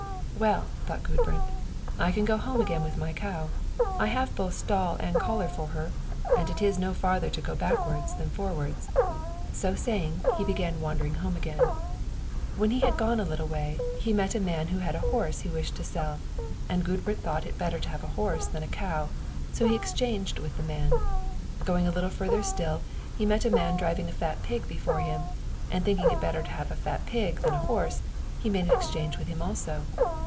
"Well!" thought Gudbrand, "I can go home again with my cow: I have both stall and collar for her, and it is no farther to go backwards than forwards." So saying, he began wandering home again. When he had gone a little way, he met a man who had a horse he wished to sell, and Gudbrand thought it better to have a horse than a cow, so he exchanged with the man. Going a little further still, he met a man driving a fat pig before him; and thinking it better to have a fat pig than a horse, he made an exchange with him also.